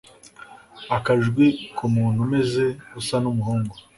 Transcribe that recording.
akajwi ku muntu umeze usa numuhungu